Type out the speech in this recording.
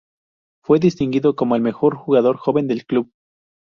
Fue distinguido como el mejor jugador joven del club.